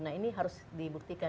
nah ini harus dibuktikan